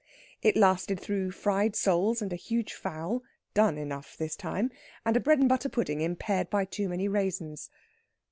It lasted through fried soles and a huge fowl done enough this time and a bread and butter pudding impaired by too many raisins.